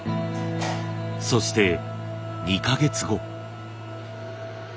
そして２か月後。